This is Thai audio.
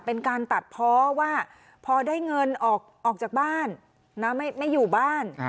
เป็นการตัดเพราะว่าพอได้เงินออกจากบ้านไม่อยู่บ้าน